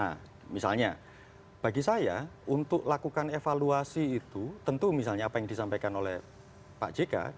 nah misalnya bagi saya untuk lakukan evaluasi itu tentu misalnya apa yang disampaikan oleh pak jk